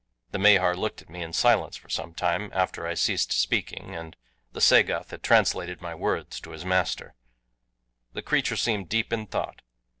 The Mahar looked at me in silence for some time after I ceased speaking and the Sagoth had translated my words to his master. The creature seemed deep in thought.